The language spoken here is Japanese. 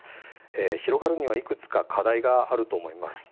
広がるにはいくつか課題があると思います。